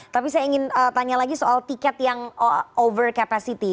tapi saya ingin tanya lagi soal tiket yang over capacity